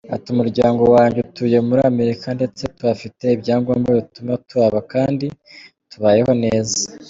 Ati” Umuryango wanjye utuye muri Amerika ndetse tuhafite ibyangombwa bituma tuhaba, kandi tubayeho neza.